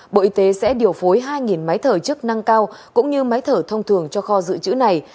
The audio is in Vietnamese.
bộ y tế sẽ điều phối hai máy thở chức năng cao cũng như máy thở thông thường cho kho dự trữ này